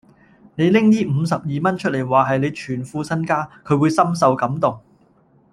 你拎呢五十二蚊出黎話係你全副身家，佢會深受感動